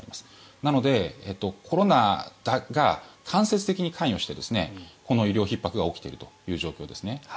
なので、コロナが間接的に関与してこの医療ひっ迫が起きているという状況ですね。